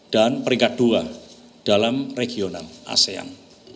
dan peringkat dua dalam regional asean